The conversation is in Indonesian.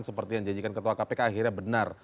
seperti yang dijanjikan ketua kpk akhirnya benar